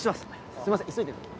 すいません急いでるんで。